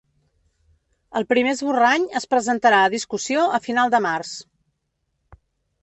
El primer esborrany es presentarà a discussió a final de març.